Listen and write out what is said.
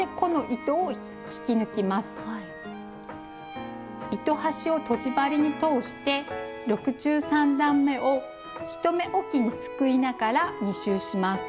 糸端をとじ針に通して６３段めを１目おきにすくいながら２周します。